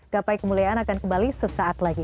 gapai kemuliaan akan kembali sesaat lagi